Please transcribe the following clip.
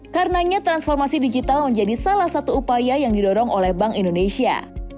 karenanya transformasi digital menjadi salah satu upaya yang didorong oleh bank indonesia